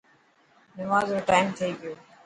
نماز رو ٽائيم ٿي گيو.